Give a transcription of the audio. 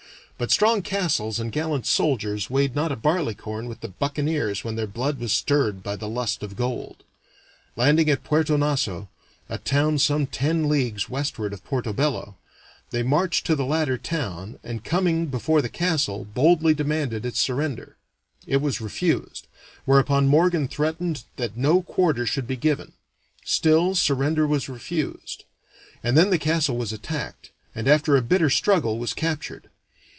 But strong castles and gallant soldiers weighed not a barleycorn with the buccaneers when their blood was stirred by the lust of gold. Landing at Puerto Naso, a town some ten leagues westward of Porto Bello, they marched to the latter town, and coming before the castle, boldly demanded its surrender. It was refused, whereupon Morgan threatened that no quarter should be given. Still surrender was refused; and then the castle was attacked, and after a bitter struggle was captured.